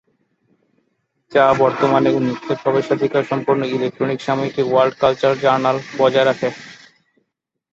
যা বর্তমানে উন্মুক্ত প্রবেশাধিকার সম্পন্ন ইলেক্ট্রনিক সাময়িকী ওয়ার্ল্ড কালচার জার্নাল বজায় রাখে।